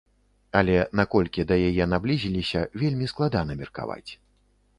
Але наколькі да яе наблізіліся, вельмі складана меркаваць.